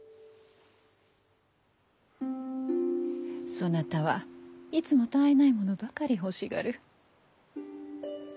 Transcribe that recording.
そなたはいつもたあいないものばかり欲しがる。